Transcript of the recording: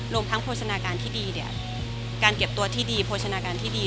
รวมทั้งโภชนาการที่ดีเนี่ยการเก็บตัวที่ดีโภชนาการที่ดี